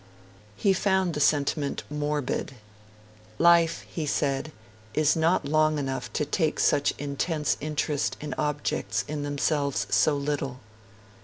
He found the sentiment morbid. 'Life,' he said, 'is not long enough to take such intense interest in objects in themselves so little.'